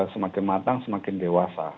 semakin matang semakin dewasa